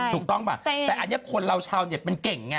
ถูกต้องป่ะแต่อันนี้คนเราชาวเน็ตมันเก่งไง